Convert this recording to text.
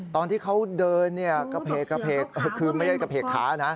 ตอนที่เขาเดินเกภเข้งไม่ได้เกภขานะ